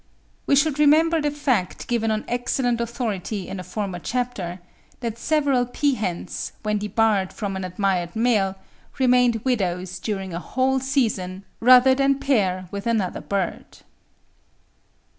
We should remember the fact given on excellent authority in a former chapter, that several peahens, when debarred from an admired male, remained widows during a whole season rather than pair with another bird.